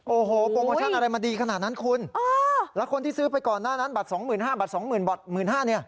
โอ้โหโปรโมชั่นอะไรมาดีขนาดนั้นคุณแล้วคนที่ซื้อไปก่อนหน้านั้นบัตร๒๕๐๐๐บัตร๒๕๐๐๐บัตร๑๕๐๐๐เนี่ย